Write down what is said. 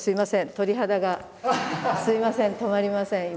鳥肌がすいません止まりません今。